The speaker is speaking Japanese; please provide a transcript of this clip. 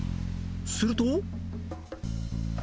すると